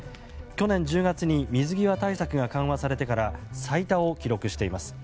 去年１０月に水際対策が緩和されてから最多を記録しています。